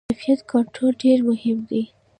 د کیفیت کنټرول ډېر مهم دی.